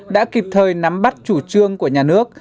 đã kịp thời nắm bắt chủ trương của nhà nước